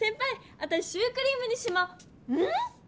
わたしシュークリームにしまん⁉